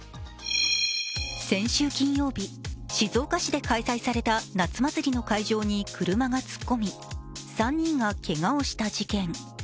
先週金曜日、静岡市で開催された夏祭りの会場に車が突っ込み、３人がけがをした事件。